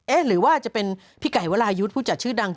หรือว่าจะเป็นพี่ไก่วรายุทธ์ผู้จัดชื่อดัง